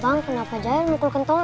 bang kenapa jahat mukul kentongan